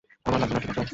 আমার লাগবে না, ঠিক আছে?